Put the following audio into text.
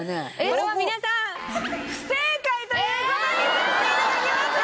これは皆さん不正解という事にさせて頂きます！